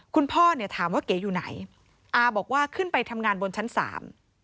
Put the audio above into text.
คุณพ่อเนี่ยถามว่าเก๋อยู่ไหนอาบอกว่าขึ้นไปทำงานบนชั้นสาม